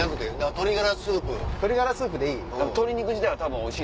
鶏がらスープでいい？